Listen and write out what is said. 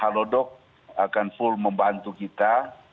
halodoc akan full membantu kita